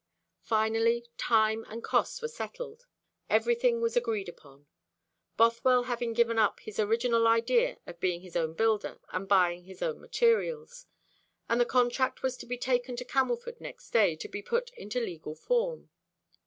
Finally, time and cost were settled; everything was agreed upon; Bothwell having given up his original idea of being his own builder and buying his own materials; and the contract was to be taken to Camelford next day, to be put into legal form.